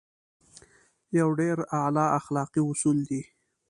يو ډېر اعلی اخلاقي اصول دی.